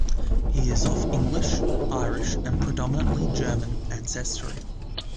He is of English, Irish, and predominantly German ancestry.